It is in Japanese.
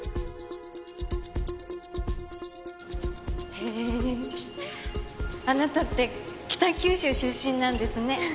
へえあなたって北九州出身なんですね。